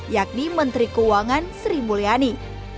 yakni menteri keuangan sri mulyani